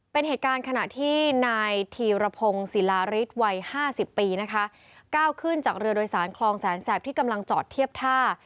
เป็นเหตุการณ์ขณะที่นายธีรพงศ์ศิลาริสวัยห้าสิบปีนะคะก้าวขึ้นจากเรือโดยสารคลองแสนแสบที่กำลังจอดเทียบท่า